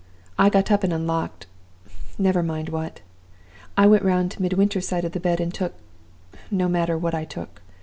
I got up, and unlocked never mind what. I went round to Midwinter's side of the bed, and took no matter what I took.